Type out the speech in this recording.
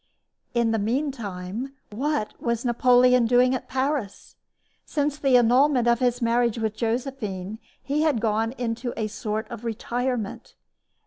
In the mean time what was Napoleon doing at Paris. Since the annulment of his marriage with Josephine he had gone into a sort of retirement.